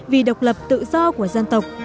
vì độc lập tự do của dân tộc